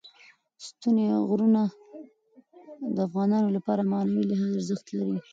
ستوني غرونه د افغانانو لپاره په معنوي لحاظ ارزښت لري.